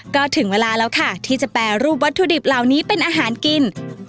ก็ถึงเวลาแล้วค่ะที่จะแปรรูปวัตถุดิบเหล่านี้เป็นอาหารกิน